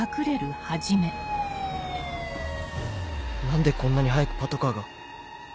何でこんなに早くパトカーが？